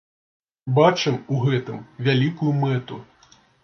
Бачым у гэтым вялікую мэту.